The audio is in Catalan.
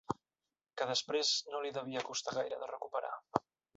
Que després no li devia costar gaire de recuperar.